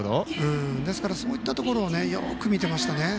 ですから、そういったところをよく見ていますね。